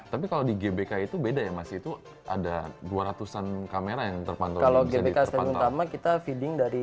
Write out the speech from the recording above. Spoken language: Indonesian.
tapi kalau di field of play ini kalau terjadi hal hal yang tidak diinginkan kan langsung kita kelihatan oh kata ada kebakaran atau ada ricoh apa kita bisa langsung lihat